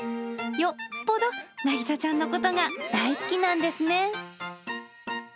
よっぽどなぎさちゃんのことが大好きなんですね。